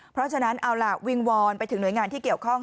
เพราะฉะนั้นเอาล่ะวิงวอนไปถึงหน่วยงานที่เกี่ยวข้อง